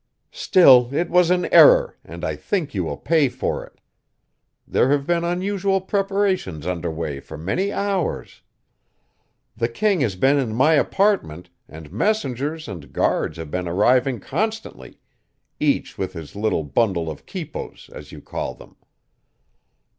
"Still it was an error, and I think you will pay for it. There have been unusual preparations under way for many hours. The king has been in my apartment, and messengers and guards have been arriving constantly, each with his little bundle of quipos, as you call them."